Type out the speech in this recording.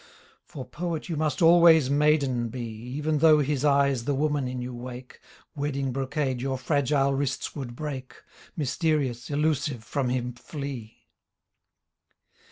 For poet you must always maiden be Even though his eyes the woman in you wake Wedding brocade your fragile wrists would break. Mysterious, elusive, from him flee.